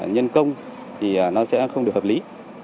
nhân công thì nó sẽ không được hợp lý